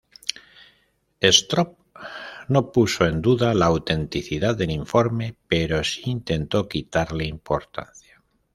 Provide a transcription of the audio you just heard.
Stroop no puso en duda la autenticidad del informe pero sí intentó quitarle importancia.